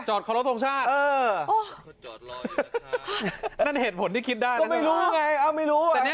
จอดข้อรถโทรงชาติเออนั่นเหตุผลที่คิดได้นะครับก็ไม่รู้ไงอ้าวไม่รู้ไง